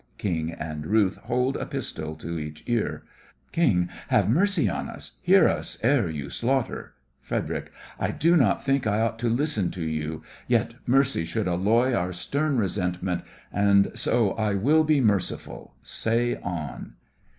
(KING and RUTH hold a pistol to each ear) KING: Have mercy on us! hear us, ere you slaughter! FREDERIC: I do not think I ought to listen to you. Yet, mercy should alloy our stern resentment, And so I will be merciful— say on!